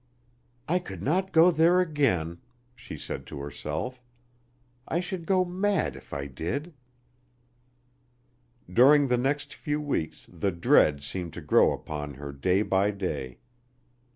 "I could not go there again," she said to herself; "I should go mad if I did." During the next few weeks the dread seemed to grow upon her day by day.